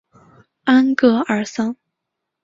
安戈尔桑。